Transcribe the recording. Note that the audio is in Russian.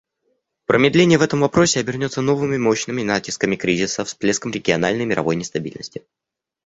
Промедление в этом вопросе обернется новыми мощными натисками кризиса, всплеском региональной и мировой нестабильности.